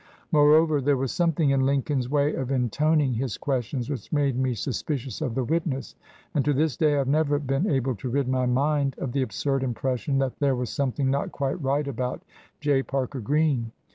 Moreover, there was something in Lincoln's way of in toning his questions which made me suspicious of the witness, and to this day I have never been able to rid my mind of the absurd impression that there was something not quite right about J. Parker Green.